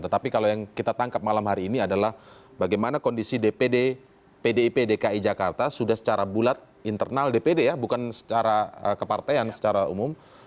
tetapi kalau yang kita tangkap malam hari ini adalah bagaimana kondisi dpd pdip dki jakarta sudah secara bulat internal dpd ya bukan secara kepartean secara umum